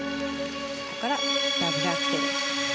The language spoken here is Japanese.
そこから、ダブルアクセル。